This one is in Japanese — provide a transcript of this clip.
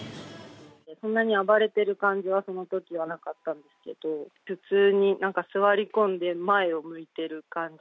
そんなに暴れる感じは、そのときはなかったですけど、普通に、なんか座り込んで前を向いてる感じ。